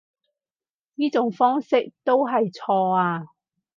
呢種方式都係錯啊